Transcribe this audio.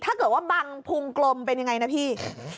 ถ้าเกิดว่าบังพุงกลมเป็นยังไงนะพี่